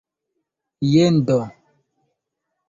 Jen do!